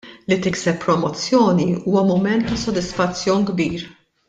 Li tikseb promozzjoni huwa mument ta' sodisfazzjon kbir.